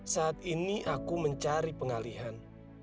saat ini aku mencari pengalihan